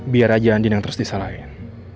biar aja andin yang terus disalahin